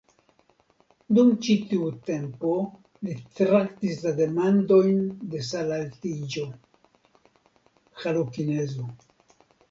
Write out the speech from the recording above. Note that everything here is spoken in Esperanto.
Dum ĉi tiu tempo li traktis la demandojn de salaltiĝo (halokinezo).